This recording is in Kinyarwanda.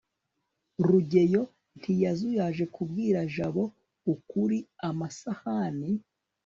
rugeyo ntiyazuyaje kubwira jabo ukuri amasahani